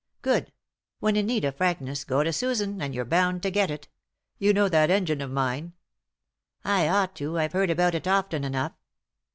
" Good I — when in need of frankness go to Susan and you're bound to get it 1 You know that engine of mine ?"" I ought to ; I've heard about it often enough."